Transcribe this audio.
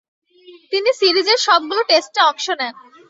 তিনি সিরিজের সবগুলো টেস্টে অংশ নেন।